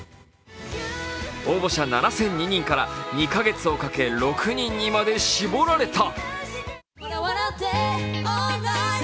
応募者７００２人から２か月をかけ６人にまで絞られた。